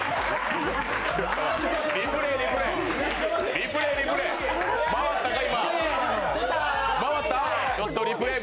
リプレー、リプレー。